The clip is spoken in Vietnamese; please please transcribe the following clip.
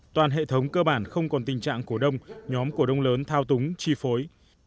toàn hệ thống cơ bản không còn tình trạng cổ đông nhóm cổ đông lớn thao túng chi phối